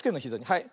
はい。